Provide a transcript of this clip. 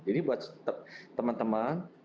jadi buat teman teman